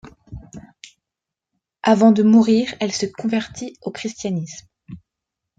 Avant de mourir, elle se convertit au christianisme.